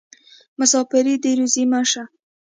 مسافري دې روزي مه شه.